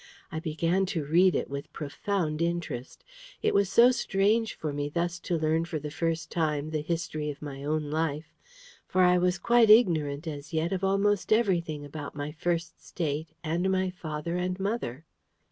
I began to read it with profound interest. It was so strange for me thus to learn for the first time the history of my own life; for I was quite ignorant as yet of almost everything about my First State, and my father and mother.